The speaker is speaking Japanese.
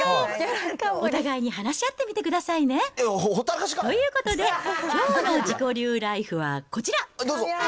お互いに話し合ってみてくださいね。ということで、きょうの自己流ライフはこちら。